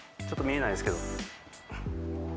ちょっと見えないですけど。